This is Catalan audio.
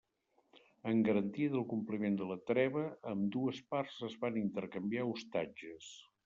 En garantia del compliment de la treva ambdues parts es van intercanviar ostatges.